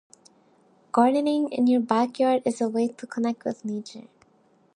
Gardening in your backyard is a way to connect with nature.